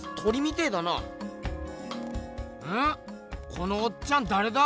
このおっちゃんだれだ？